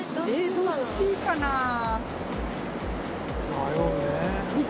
迷うね。